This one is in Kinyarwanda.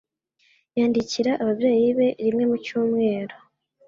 Yandikira ababyeyi be rimwe mu cyumweru.